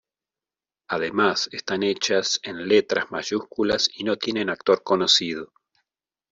Además, están hechas en letras mayúsculas y no tienen autor conocido.